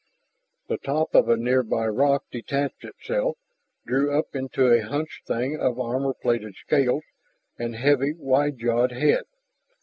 The top of a near by rock detached itself, drew up into a hunched thing of armor plated scales and heavy wide jawed head.